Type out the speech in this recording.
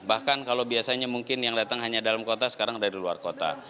bahkan kalau biasanya mungkin yang datang hanya dalam kota sekarang dari luar kota